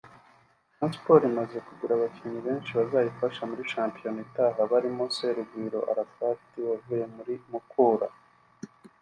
Rayon Sport imaze kugura abakinnyi benshi bazayifasha muri shampiyona itaha barimo Serugendo Arafat wavuye muri Mukura